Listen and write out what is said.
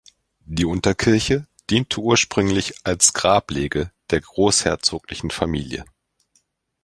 Die Unterkirche diente ursprünglich als Grablege der Großherzoglichen Familie.